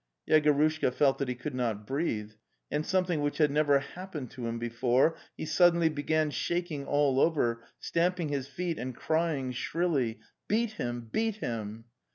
Yegorushka felt that he could not breathe; and something which had never happened to him before —he suddenly began shaking all over, stamping his feet and crying shrilly: '"* Beat him, beat him!